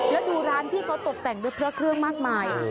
แล้วดูร้านพี่เขาตกแต่งด้วยพระเครื่องมากมาย